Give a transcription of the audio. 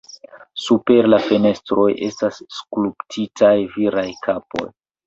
Super la fenestroj estas skulptitaj viraj kapoj.